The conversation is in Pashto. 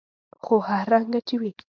خو هر رنګه چې وي.